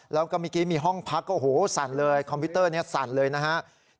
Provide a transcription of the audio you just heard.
แล้วก็เมื่อกี้มีห้องพักโอ้โหสั่นเลยคอมพิวเตอร์นี้สั่นเลยนะครับ